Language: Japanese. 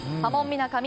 みなかみ